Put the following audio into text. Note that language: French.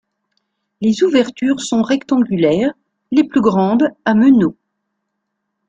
Les ouvertures sont rectangulaires, les plus grandes à meneau.